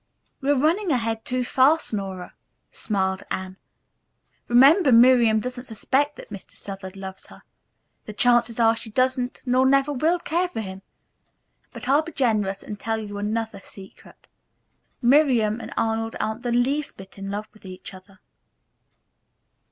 "You are running ahead too fast, Nora," smiled Anne. "Remember Miriam doesn't suspect that Mr. Southard loves her. The chances are she doesn't nor never will care for him. But I'll be generous and tell you another secret. Miriam and Arnold aren't the least bit in love with each other."